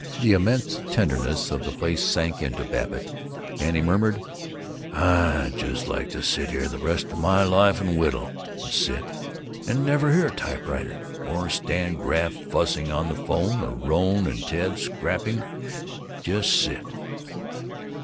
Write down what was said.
The immense tenderness of the place sank into Babbitt, and he murmured, "I'd just like to sit here the rest of my life and whittle and sit. And never hear a typewriter. Or Stan Graff fussing in the 'phone. Or Rone and Ted scrapping. Just sit.